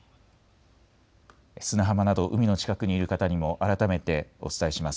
砂浜など海の近くにいる方にも改めてお伝えします。